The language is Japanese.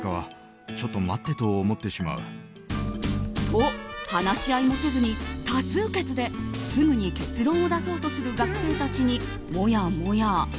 と、話し合いもせずに多数決ですぐに結論を出そうとする学生たちにもやもや。